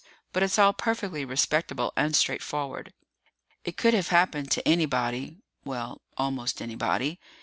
But it's all perfectly respectable and straightforward. It could have happened to anybody well, almost anybody.